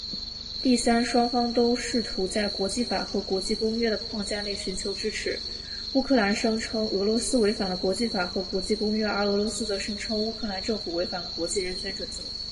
第三，双方都试图在国际法和国际公约的框架内寻求支持。乌克兰声称俄罗斯违反了国际法和国际公约，而俄罗斯则声称乌克兰政府违反了国际人权准则。